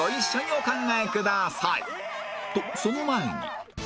とその前に